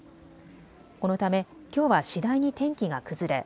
このため、きょうは次第に天気が崩れ